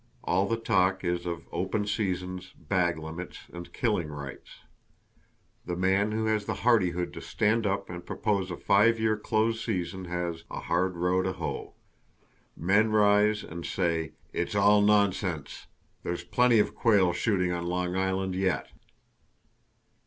All the talk is of open seasons, bag limits and killing rights. The man who has the hardihood to stand up and propose a five year close season has "a hard row to hoe." Men rise and say: "It's all nonsense! There's plenty of quail shooting on Long Island yet."